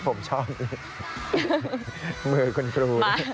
ผมชอบมือคุณครู